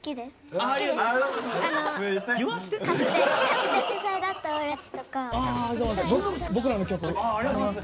ありがとうございます。